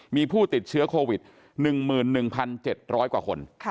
มีผู้ติดเชื้อโควิด๑๑๗๐๐กว่าคน